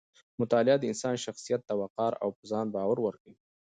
مطالعه د انسان شخصیت ته وقار او په ځان باور ورکوي.